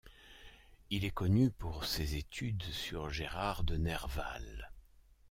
Il est connu pour ses études sur Gérard de Nerval.